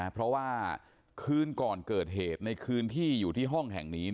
เพราะว่าคืนก่อนเกิดเหตุในคืนที่อยู่ที่ห้องแห่งนี้